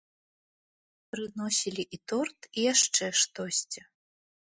Прыносілі і торт, і яшчэ штосьці.